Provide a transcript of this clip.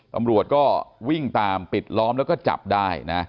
ตำรวจก็วิ่งตามปิดล้อมแล้วก็จับได้นะ